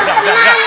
oh tuan tenang ya